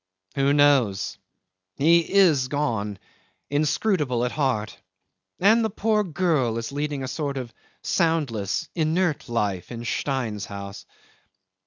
'Who knows? He is gone, inscrutable at heart, and the poor girl is leading a sort of soundless, inert life in Stein's house.